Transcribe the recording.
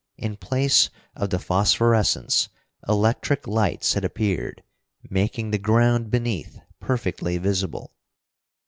In place of the phosphorescence, electric lights had appeared, making the ground beneath perfectly visible.